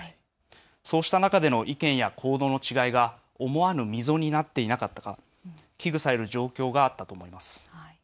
こうした中で意見や行動の違いは、思わぬ溝になっていなかったか危惧された状況にあったと思います。